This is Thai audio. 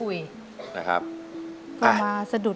อเรนนี่คือเหตุการณ์เริ่มต้นหลอนช่วงแรกแล้วมีอะไรอีก